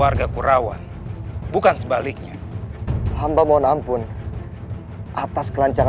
aku lupa siapa adanya